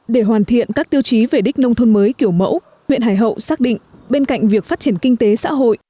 để hoàn thiện các tiêu chí về đích nông thôn mới kiểu mẫu huyện hải hậu xác định bên cạnh việc phát triển kinh tế xã hội